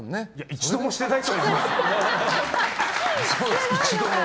一度もしてないと思います。